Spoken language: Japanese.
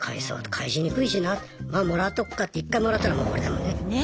返しにくいしなまあもらっとくかって１回もらったらもう終わりだもんね。ね。